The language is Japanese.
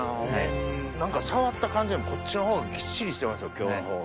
何か触った感じはこっちの方がぎっしりしてますよ今日の方が。